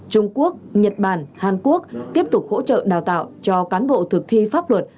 trung quốc nhật bản hàn quốc tiếp tục hỗ trợ đào tạo cho cán bộ thực thi pháp luật